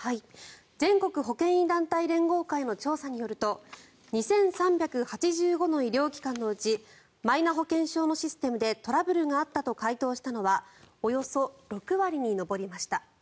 全国保険医団体連合会の調査によると２３８５の医療機関のうちマイナ保険証のシステムでトラブルがあったと回答したのはおよそ６割に上りました。